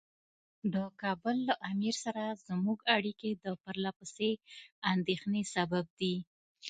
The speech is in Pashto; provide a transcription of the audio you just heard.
د کابل له امیر سره زموږ اړیکې د پرله پسې اندېښنې سبب دي.